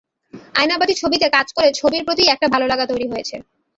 আয়নাবাজি ছবিতে কাজ করে ছবির প্রতিই একটা ভালো লাগা তৈরি হয়েছে।